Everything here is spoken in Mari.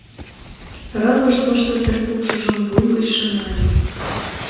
Рывыж тошто теркупшыжым вуй гычше нале.